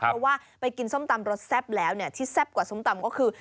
เพราะว่าไปกินส้มตำรสแซ่บแล้วเนี่ยที่แซ่บกว่าส้มตำก็คือ